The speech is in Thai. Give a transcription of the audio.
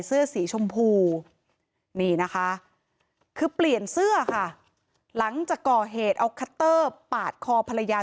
เสื้อสีชมพูนี่นะคะคือเปลี่ยนเสื้อค่ะหลังจากก่อเหตุเอาคัตเตอร์ปาดคอภรรยา